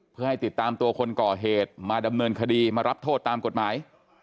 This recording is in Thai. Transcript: เพื่อให้ติดตามตัวคนก่อเหตุมาดำเนินคดีมารับโทษตามกฎหมาย